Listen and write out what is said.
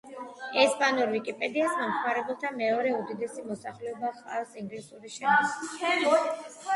ესპანურ ვიკიპედიას მომხმარებელთა მეორე უდიდესი მოსახლეობა ჰყავს ინგლისურის შემდეგ.